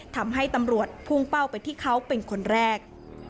ทำให้ตำรวจพุ่งเป้าไปที่เขาเป็นคนแรก